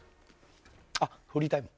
あっフリータイム？